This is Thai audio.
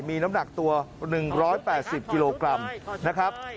มีน้ำหนักตัว๑๘๐กิโลกรัมนะครับ